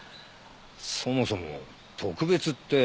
そもそも特別って。